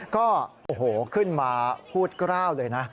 ก็ขึ้นมาพูดกล้าวเลยนะ